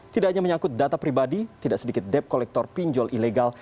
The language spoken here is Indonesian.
tidak hanya menyangkut data pribadi tidak sedikit debt collector pinjol ilegal